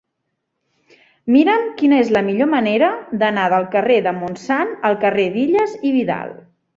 Mira'm quina és la millor manera d'anar del carrer del Montsant al carrer d'Illas i Vidal.